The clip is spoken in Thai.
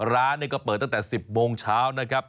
ร้านก็เปิดตั้งแต่๑๐โมงเช้านะครับ